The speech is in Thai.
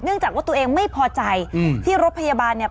เนื่องจากว่าตัวเองไม่พอใจที่รถพยาบาลเนี่ย